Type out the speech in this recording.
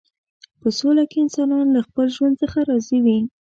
په سوله کې انسانان له خپل ژوند څخه راضي وي.